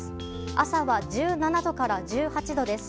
朝は、１７度から１８度です。